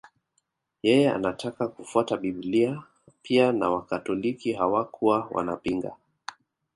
Yeye anataka kufuata Biblia pia na Wakatoliki hawakuwa wanapinga